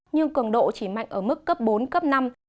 nhưng cường độ chỉ mạnh ở mức cấp bốn cấp năm